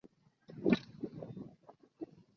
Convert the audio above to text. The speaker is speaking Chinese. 同年首次回到母亲的故乡贵州省贵定县。